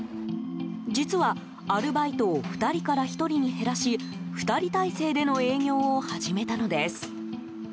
実は、アルバイトを２人から１人に減らし２人体制での営業を始めたのです。